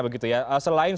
begitu ya selain